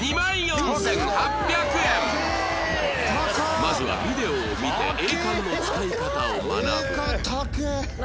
まずはビデオを見てエーカンの使い方を学ぶ